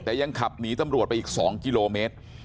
แต่ยังขับหนีตำรวจไปอีก๒กิโลเมตร